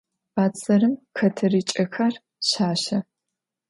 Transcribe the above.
Bedzerım xeterıç'xer şaşe.